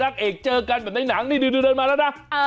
บางนักเอกเจอกันแบบในหนังนี่เดินมาแล้วนะ